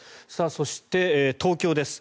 そして、東京です。